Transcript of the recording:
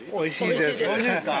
おいしいですか？